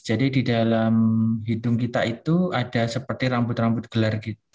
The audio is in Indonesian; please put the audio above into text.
jadi di dalam hidung kita itu ada seperti rambut rambut gelar